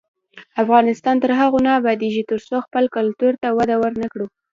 افغانستان تر هغو نه ابادیږي، ترڅو خپل کلتور ته وده ورنکړو.